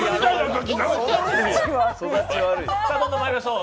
どんどんまいりましょう。